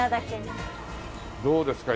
どうですか？